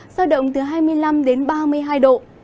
do động từ hai mươi năm ba mươi hai độ